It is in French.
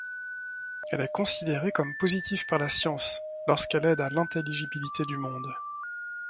Elle est considérée comme positive par la science, lorsqu'elle aide à l'intelligibilité du monde.